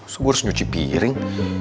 terus gue harus nyuci piring